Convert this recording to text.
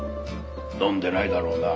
飲んでないだろうな？